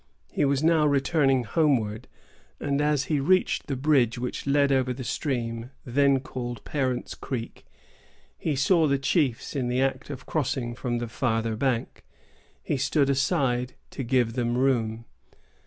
He was now returning homewards, and as he reached the bridge which led over the stream then called Parent's Creek, he saw the chiefs in the act of crossing from the farther bank. He stood aside to give them room.